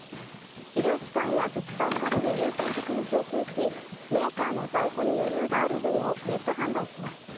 医療機関や自治体などに優先的に供給しメーカーの在庫に余裕がある分をネット販売します。